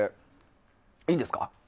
いいんですか。